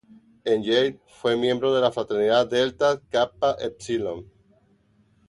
En Yale fue miembro de la fraternidad Delta Kappa Epsilon.